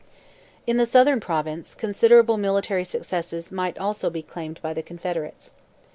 In the Southern Province, considerable military successes might also be claimed by the Confederates.